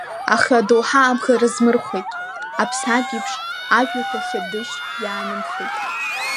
Аха адоуҳа абӷа рызмырхәеит, аԥсаатә еиԥш, ажәҩақәа хьыдышьшь иаанымхеит.